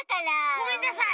ごめんなさい！